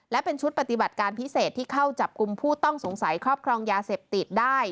และเป็นชุดปฏิบัติการพิเศษที่เข้าจับกลุ่มผู้ต้องสงสัยครอบครองยาเสพติดได้